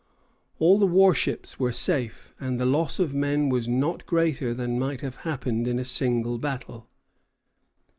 All the war ships were safe, and the loss of men was not greater than might have happened in a single battle.